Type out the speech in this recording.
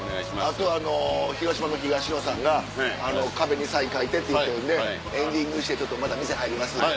あと広島の東野さんが壁にサイン書いてって言ってるんでエンディングしてちょっとまた店入ります。